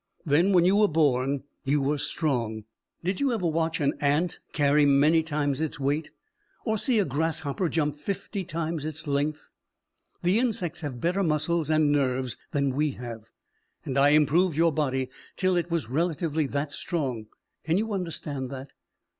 Then when you were born you were strong. Did you ever watch an ant carry many times its weight? Or see a grasshopper jump fifty times its length? The insects have better muscles and nerves than we have. And I improved your body till it was relatively that strong. Can you understand that?"